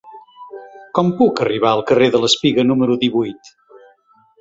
Com puc arribar al carrer de l'Espiga número divuit?